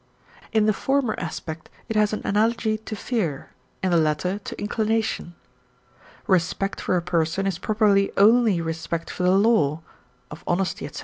In the former aspect it has an analogy to fear, in the latter to inclination. Respect for a person is properly only respect for the law (of honesty, etc.)